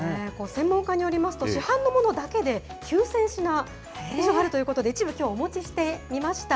専門家によりますと、市販のものだけで９０００品あるということで、一部きょうはお持ちしていました。